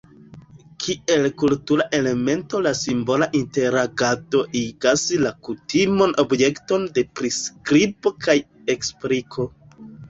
Kiel kultura elemento la simbola interagado igas la kutimon objekton de priskribo kaj ekspliko.